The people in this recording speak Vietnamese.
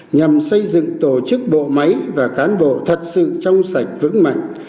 nhằm xây dựng tổ chức bộ máy và cán bộ thật sự trong sạch vững mạnh